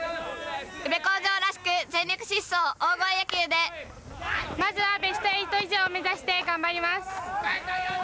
宇部鴻城らしく全力疾走、大声野球でまずはベスト８以上を目指して頑張ります。